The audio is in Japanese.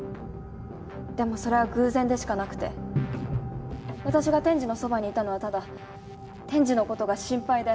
でもそれは偶然でしかなくて私が天智のそばにいたのはただ天智の事が心配で。